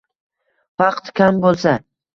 Vaqt kam bo’lsa